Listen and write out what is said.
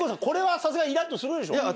これはさすがにイラっとするでしょ？